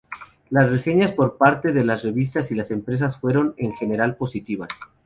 Las reseñas por parte de las revistas y las empresas fueron en general positivas.